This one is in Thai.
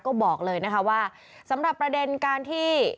ก็บอกเลยนะคะว่าสำหรับประเด็นการที่